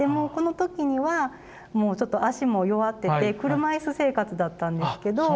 この時にはもうちょっと足も弱ってて車椅子生活だったんですけど。